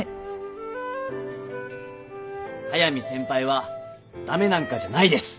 速見先輩は駄目なんかじゃないです！